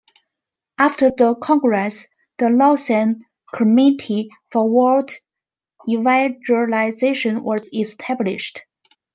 After the congress, the Lausanne Committee for World Evangelization was established.